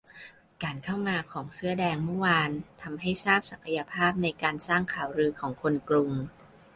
การเข้ามาของเสื้อแดงเมื่อวานทำให้ทราบศักยภาพในการสร้างข่าวลือของคนกรุง